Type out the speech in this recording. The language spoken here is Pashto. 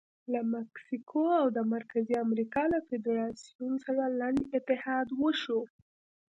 له مکسیکو او د مرکزي امریکا له فدراسیون سره لنډ اتحاد وشو.